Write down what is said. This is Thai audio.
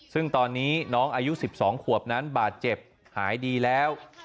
ซึ่งตอนนี้น้องอายุ๑๒ขวบนั้นบาดเจ็บหายดีแล้ว